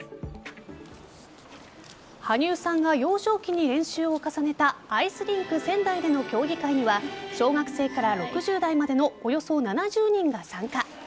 羽生さんが幼少期に練習を重ねたアイスリンク仙台での競技会には小学生から６０代までのおよそ７０人が参加。